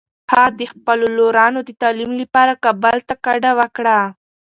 هغه د خپلو لورانو د تعلیم لپاره کابل ته کډه وکړه.